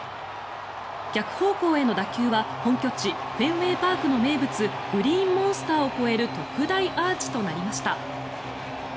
逆方向への打球は本拠地フェンウェイパークの名物グリーンモンスターを越える特大アーチとなりました。